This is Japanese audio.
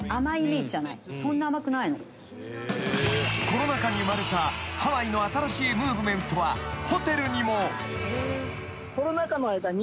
［コロナ禍に生まれたハワイの新しいムーブメントはホテルにも］